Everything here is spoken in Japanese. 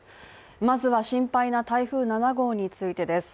まずは心配な台風７号についてです。